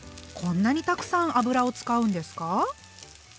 こんなにたくさん油を使うんですか？